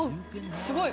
すごい！